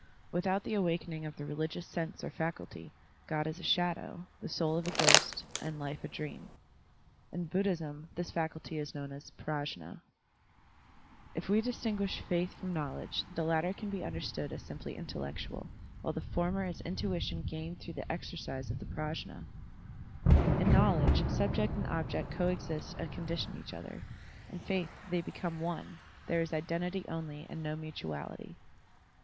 Without the awakening of the religious sense or faculty, Grod is a shadow, the soul a ghost, and life a dream. In Buddhism this faculty is known as Prajnd, If we distinguish faith from knowledge, the latter can be understood as simply intellectual, while the former is intuition gained through the exercise of the PrajM. In knowledge subject and object coexist and condition each other; in faith they become one, there is identity only and no mutuality.